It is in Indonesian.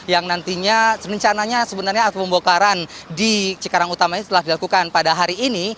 yang nantinya rencananya sebenarnya aksi pembongkaran di cikarang utama ini telah dilakukan pada hari ini